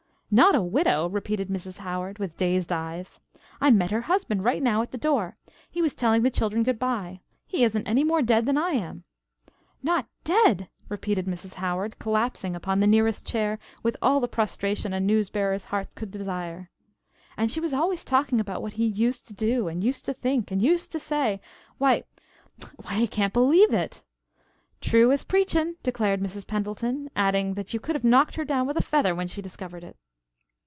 "Not a widow!" repeated Mrs. Howard with dazed eyes. "I met her husband right now at the door. He was telling the children good by. He isn't any more dead than I am." "Not dead!" repeated Mrs. Howard, collapsing upon the nearest chair with all the prostration a news bearer's heart could desire. "And she was always talking about what he used to do and used to think and used to say. Why why I can't believe it." "True as preachin'," declared Mrs. Pendleton, adding that you could have knocked her down with a feather when she discovered it.